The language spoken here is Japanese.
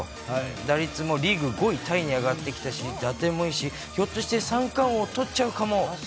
打率もリーグ５位タイに上がってきたし、打点もいいし、ひょっとして三冠王とっちゃうかも。